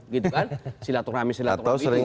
gitu kan silaturahmi silaturahmi